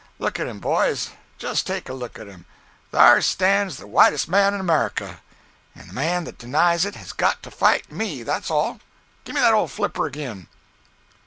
Look at him, boys—just take a look at him. Thar stands the whitest man in America!—and the man that denies it has got to fight me, that's all. Gimme that old flipper agin!"